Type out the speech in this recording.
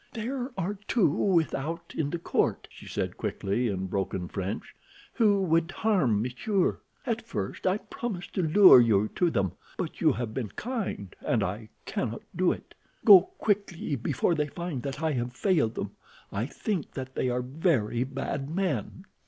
"There are two without in the court," she said quickly, in broken French, "who would harm m'sieur. At first I promised to lure you to them, but you have been kind, and I cannot do it. Go quickly, before they find that I have failed them. I think that they are very bad men."